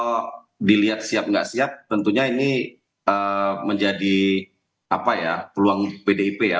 kalau dilihat siap nggak siap tentunya ini menjadi peluang pdip ya